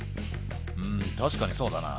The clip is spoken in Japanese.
「うん確かにそうだな」